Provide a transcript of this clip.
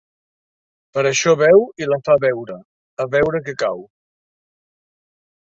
Per això beu i la fa beure, a veure què cau.